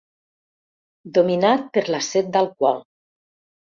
Dominat per la set d'alcohol.